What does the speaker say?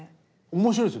面白いです。